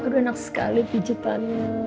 aduh enak sekali pijetannya